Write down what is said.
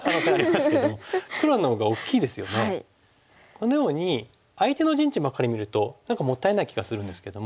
このように相手の陣地ばっかり見ると何かもったいない気がするんですけども。